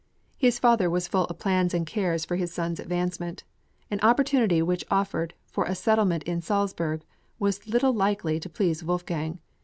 His father was full of plans and cares for his son's advancement. An opportunity which offered for a settlement in Salzburg was little likely to please Wolfgang.